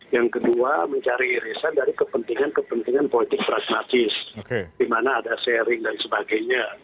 yang kedua mencari irisan dari kepentingan kepentingan politik pragmatis di mana ada sharing dan sebagainya